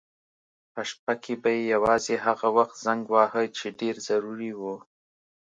په شپه کې به یې یوازې هغه وخت زنګ واهه چې ډېر ضروري و.